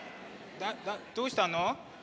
どうしたの？